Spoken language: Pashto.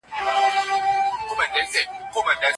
خو وخت د ده پر ضد روان و.